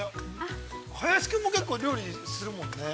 ◆林君も結構、料理するもんね。